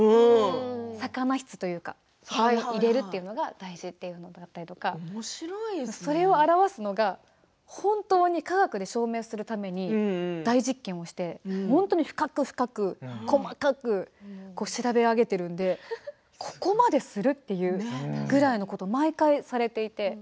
魚室というか入れるというのが大事だったりとかそれを表すのが本当に科学で証明するために大実験をして本当に深く深く、細かく調べ上げているのでここまでする？っていうぐらいのことを毎回されていて。